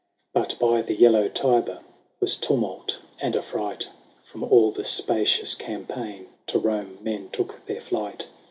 HORATIUS. 49 XIII. But by the yellow Tiber Was tumult and affright : From all the spacious champaign To Rome men took their flight.